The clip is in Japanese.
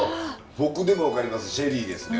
僕でも分かりますシェリーですね。